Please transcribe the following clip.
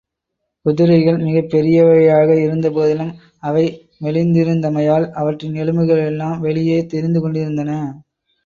குதிரைகள் மிகப்பெரியவையாக இருந்தபோதிலும், அவை மெலிந்திருந்தமையால், அவற்றின் எலும்புகள் எல்லாம் வெளியே தெரிந்துகொண்டிருந்தன.